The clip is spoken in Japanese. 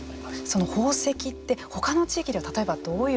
その宝石ってほかの地域では例えばどういうものがありますか？